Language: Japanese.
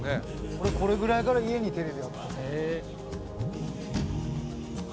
「俺これぐらいから家にテレビあった」